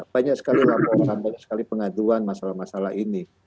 banyak sekali laporan banyak sekali pengaduan masalah masalah ini